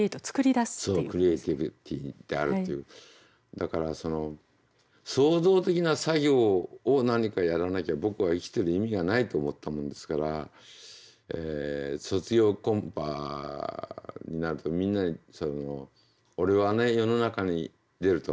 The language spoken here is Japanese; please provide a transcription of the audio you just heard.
だからその創造的な作業を何かやらなきゃ僕は生きてる意味がないと思ったもんですから卒業コンパになるとみんなに「俺は世の中に出る」と。